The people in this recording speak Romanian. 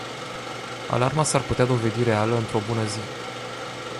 Alarma s-ar putea dovedi reală într-o bună zi.